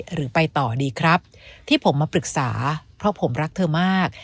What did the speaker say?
หรือไปต่อดีครับที่ผมมาปรึกษาเพราะผมรักเธอมาก